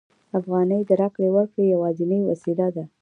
افغانۍ د راکړې ورکړې یوازینۍ وسیله ده